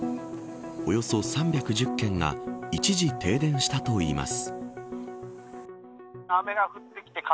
およそ３１０軒が一時停電したといいます。